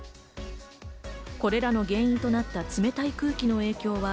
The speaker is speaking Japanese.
これらの原因となった冷たい空気の影響は？